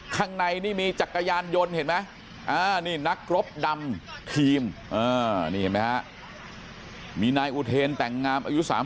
ข้างในนี่มีจักรยานยนต์เห็นไหมนักรบดำทีมมีนายอุเทนแต่งงามอายุ